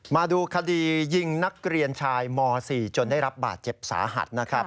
มาดูคดียิงนักเรียนชายม๔จนได้รับบาดเจ็บสาหัสนะครับ